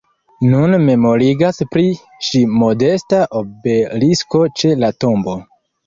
Nun memorigas pri ŝi modesta obelisko ĉe la tombo.